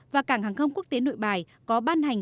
và cảng hàng không quốc tế nội bài có ban hành